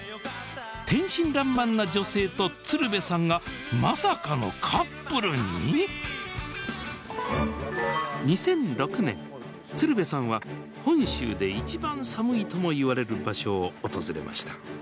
天真らんまんな女性と鶴瓶さんがまさかのカップルに⁉２００６年鶴瓶さんは本州で一番寒いともいわれる場所を訪れました。